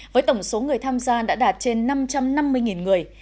với tổng số người tham gia đã đạt trên năm trăm năm mươi người